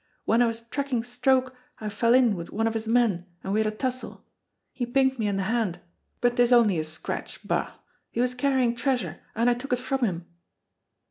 "When I was tracking Stroke I fell in with one of his men, and we had a tussle. He pinked me in the hand, but 'tis only a scratch, bah! He was carrying treasure, and I took it from him."